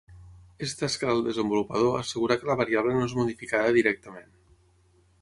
És tasca del desenvolupador assegurar que la variable no és modificada directament.